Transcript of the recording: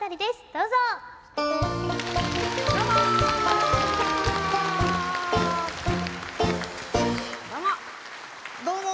どうも。